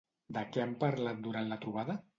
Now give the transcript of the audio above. De què han parlat durant la trobada?